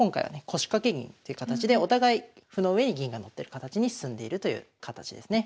腰掛け銀という形でお互い歩の上に銀がのってる形に進んでいるという形ですね。